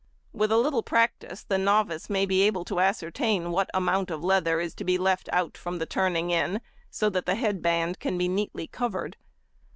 With a little practice the novice may be able to ascertain what amount of leather is to be left out from the turning in, so that the head band can be neatly covered.